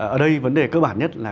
ở đây vấn đề cơ bản nhất là